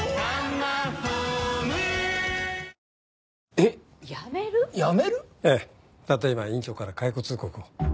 たった今院長から解雇通告を。